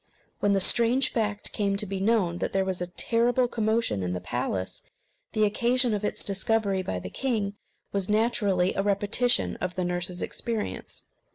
When the strange fact came to be known, there was a terrible commotion in the palace. The occasion of its discovery by the king was naturally a repetition of the nurse's experience.